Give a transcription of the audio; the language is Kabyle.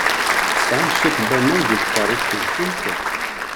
Tesɛamt cwiṭ n waman deg tkeṛṛust-nkent?